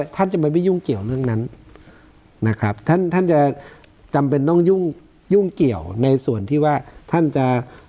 ท่านจะไปไม่ยุ่งเกี่ยวเรื่องนั้นท่านจะจำเป็นต้องยุ่งเกี่ยวในส่วนที่ว่าท่านจะ